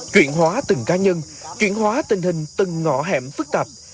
chuyển hóa từng cá nhân chuyển hóa tình hình từng ngõ hẻm phức tạp